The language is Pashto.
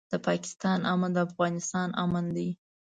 د پاکستان امن د افغانستان امن دی.